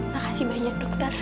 makasih banyak dokter